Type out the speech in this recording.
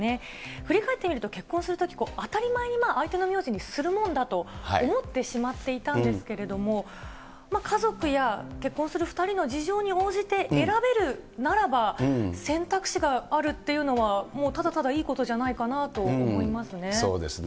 振り返ってみると結婚するとき、当たり前に相手の名字にするもんだと思ってしまっていたんですけれども、家族や結婚する２人の事情に応じて選べるならば、選択肢があるっていうのは、もうただただいいことじゃないかなと思いますね。